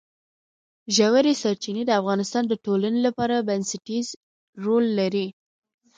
ژورې سرچینې د افغانستان د ټولنې لپاره بنسټيز رول لري.